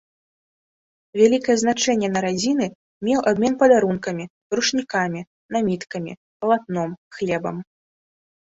Вялікае значэнне на радзіны меў абмен падарункамі, ручнікамі, наміткамі, палатном, хлебам.